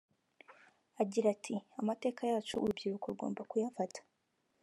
Agira ati “amateka yacu urubyiruko rugomba kuyafata